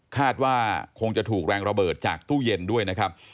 คาดว่าคงจะถูกแรงระเบิดจากตู้เย็นด้วยนะครับ